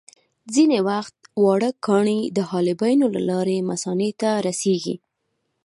ځینې وخت واړه کاڼي د حالبینو له لارې مثانې ته رسېږي.